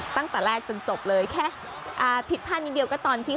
ตั้งแต่แรกจนจบเลยแค่ผิดพลาดนิดเดียวก็ตอนที่